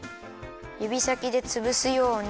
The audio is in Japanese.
ゆびさきでつぶすように。